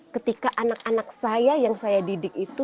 ketika anak anak saya yang saya didik itu